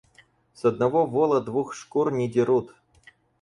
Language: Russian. С одного вола двух шкур не дерут.